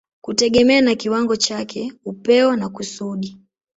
kutegemea na kiwango chake, upeo na kusudi.